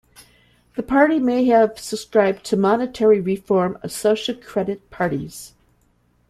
The party may have subscribed to monetary reform of social credit parties.